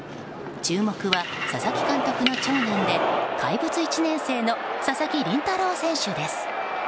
注目は佐々木監督の長男で怪物１年生の佐々木麟太郎選手です。